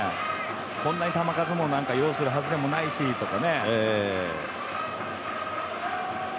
こんなに球数も要するはずもないしという。